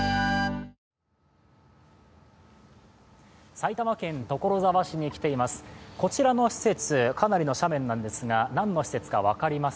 埼玉県所沢市に来ています。